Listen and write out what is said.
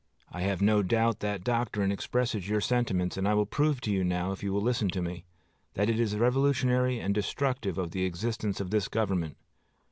I have no doubt that doctrine expresses your sentiments; and I will prove to you now, if you will listen to me, that it is revolutionary and destructive of the existence of this government.